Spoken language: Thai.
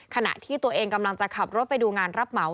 ขณะที่ตัวเองกำลังจะขับรถไปดูงานรับเหมา